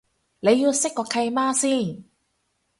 你要識個契媽先